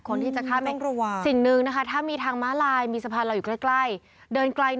คนที่จะข้ามสิ่งหนึ่งนะคะต้องระวัง